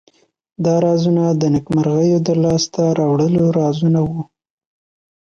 دا رازونه د نیکمرغیو د لاس ته راوړلو رازونه وو.